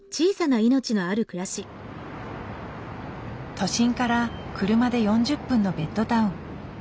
都心から車で４０分のベッドタウン。